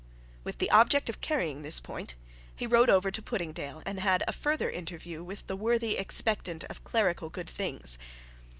With the object of carrying this point he rode over to Puddingdale, and had a further interview with the worthy expectant of clerical good things.